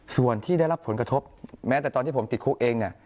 ส่วนที่ได้รับผลกระทบแม้แต่ตอนที่ผมติดคุกเองเนี่ย